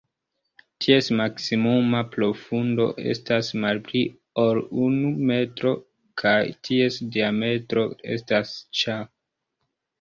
Ties maksimuma profundo estas malpli ol unu metro kaj ties diametro estas ĉa.